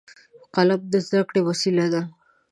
قلم د زده کړې وسیله ده